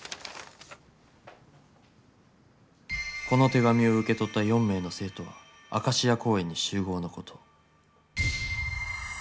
「この手紙を受け取った４名の生徒はアカシア公園に集合のこと」。